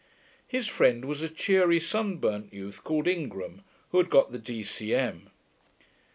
His friend was a cheery, sunburnt youth called Ingram, who had got the D.C.M.